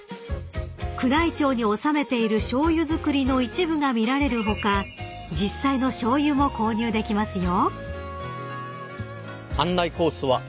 ［宮内庁に納めているしょうゆ造りの一部が見られる他実際のしょうゆも購入できますよ］